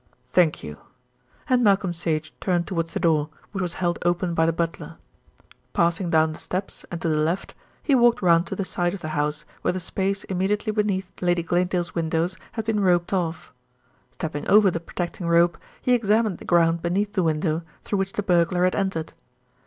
"Thank you," and Malcolm Sage turned towards the door, which was held open by the butler. Passing down the steps and to the left, he walked round to the side of the house, where the space immediately beneath Lady Glanedale's windows had been roped off. Stepping over the protecting rope, he examined the ground beneath the window through which the burglar had entered.